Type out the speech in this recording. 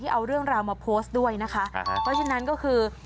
เอาเรื่องราวมาโพสต์ด้วยนะคะเพราะฉะนั้นก็คือ